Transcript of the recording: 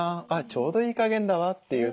「あっちょうどいい加減だわ」っていう